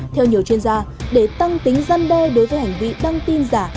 theo nhiều chuyên gia để tăng tính gian đe đối với hành vi đăng tin giả